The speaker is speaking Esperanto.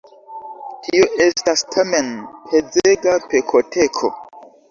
Tio estas tamen pezega pekoteko.